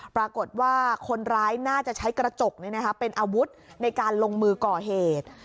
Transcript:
ปรากฏว่าคนร้ายน่าจะใช้กระจกเป็นอาวุธในการลงมือก่อเหตุ